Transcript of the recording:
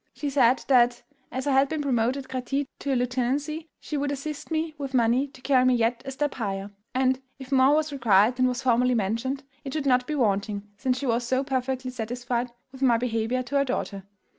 She said, that, as I had been promoted gratis to a lieutenancy, she would assist me with money to carry me yet a step higher; and, if more was required than was formerly mentioned, it should not be wanting, since she was so perfectly satisfied with my behaviour to her daughter.